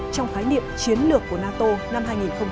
trong khái niệm chiến lược của nato năm hai nghìn hai mươi hai